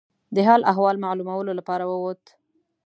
د حال احوال معلومولو لپاره ووت.